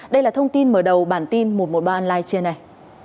đây là thông tin mở đầu bản tin một trăm một mươi ba online trưa này